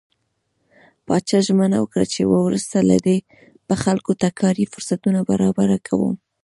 پاچا ژمنه وکړه چې وروسته له دې به خلکو ته کاري فرصتونه برابر کوم .